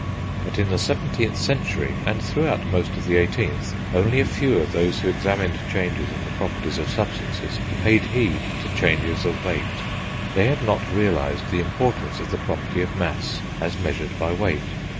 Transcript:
But in the 17th century, and throughout most of the 18th, only a few of those who examined changes in the properties of substances paid heed to changes of weight; they had not realised the importance of the property of mass, as measured by weight.